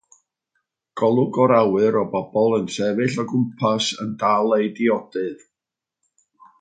Golwg o'r awyr o bobl yn sefyll o gwmpas yn dal eu diodydd.